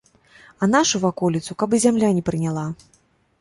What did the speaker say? А нашу ваколіцу каб і зямля не прыняла.